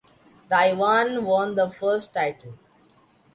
Taiwan won the first title.